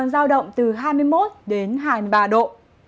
giao động từ hai mươi một đến hai mươi ba độ